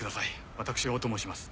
私がお供します